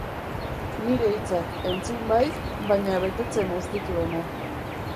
Nire hitzak entzun bai, baina betetzen ez dituena.